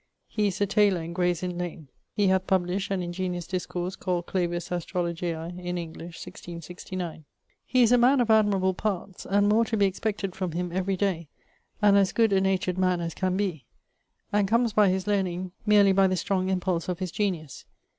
He is a tayler in Graies Inne lane. He hath published an ingeniose discourse called Clavis Astrologiae, in English, 1669. He is a man of admirable parts, and more to be expected from him every day: and as good a natured man as can be. And comes by his learning meerly by the strong impulse of his genius.